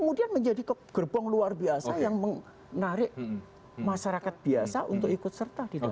kemudian menjadi gerbong luar biasa yang menarik masyarakat biasa untuk ikut serta di dalam